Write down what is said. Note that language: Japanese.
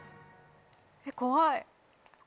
怖い！